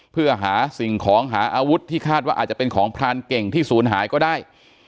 เพื่อหาสิ่งของหาอาวุธที่คาดว่าอาจจะเป็นของพรานเก่งที่ศูนย์หายก็ได้